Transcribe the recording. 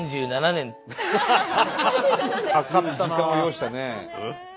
随分時間を要したね。